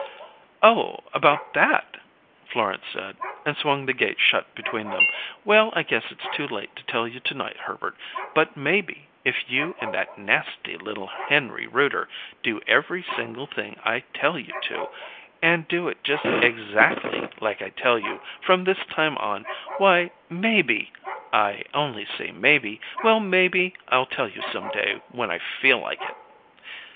"Oh, about that!" Florence said, and swung the gate shut between them. "Well, I guess it's too late to tell you to night, Herbert; but maybe if you and that nasty little Henry Rooter do every single thing I tell you to, and do it just exackly like I tell you from this time on, why maybe I only say 'maybe' well, maybe I'll tell you some day when I feel like it."